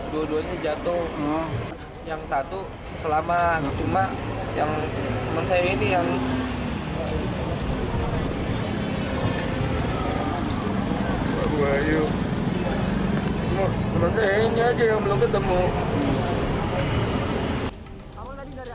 dua duanya jatuh yang satu selama cuma yang teman saya ini yang